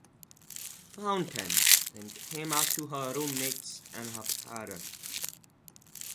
Fountain then came out to her roommates and her parents.